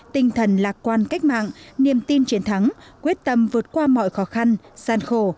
tinh thần lạc quan cách mạng niềm tin chiến thắng quyết tâm vượt qua mọi khó khăn gian khổ